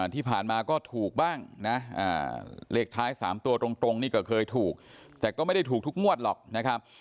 ที่ผ่านมาก็ถูกบ้างนะเลขท้าย๓ตัวตรงนี่ก็เคยถูกแต่ก็ไม่ได้ถูกทุกงวดหรอกนะครับ